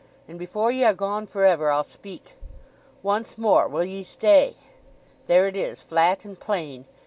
And before ye are gone for ever I'll speak. Once more, will ye stay? There it is, flat and plain.